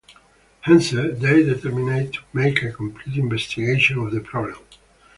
Hence, they determined to make a complete investigation of the problem.